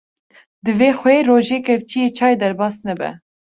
divê xwê rojê kevçiyê çay derbas nebe